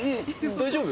大丈夫？